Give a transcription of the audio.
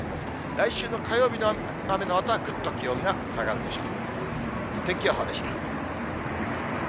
来週の火曜日の雨のあとはぐっと気温が下がるでしょう。